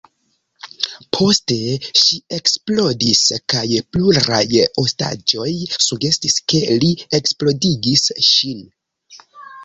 Poste ŝi eksplodis kaj pluraj ostaĝoj sugestis, ke li eksplodigis ŝin.